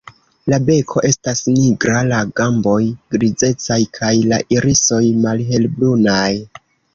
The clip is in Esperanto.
La beko estas nigra, la gamboj grizecaj kaj la irisoj malhelbrunaj.